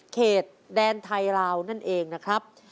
แดนไทยลาวนั่นเองนะครับ